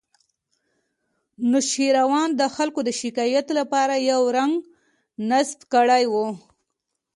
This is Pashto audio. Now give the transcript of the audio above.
نوشیروان د خلکو د شکایت لپاره یو زنګ نصب کړی و